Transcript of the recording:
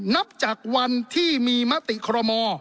นับจากวันที่มีมติคอรมอ